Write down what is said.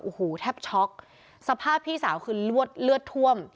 โอ้โหแทบช็อกสภาพพี่สาวคือเลือดท่วม